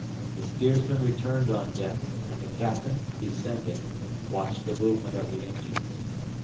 The steersman returned on deck, and the captain, descending, watched the movement of the engines.